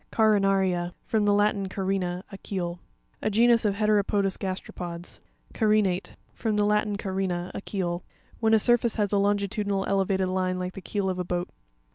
Carina'r14.—F rom the Latin, carina, a keel. A genus of heteropodous gasteropods (page 66). Ca'rinatE.—From the Latin, carina, a keel. When a surface has a longitudinal elevated line like the keel of a boat.